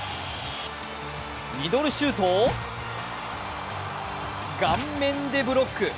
ミドルシュートを顔面でブロック。